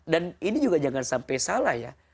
dan ini juga jangan sampai salah ya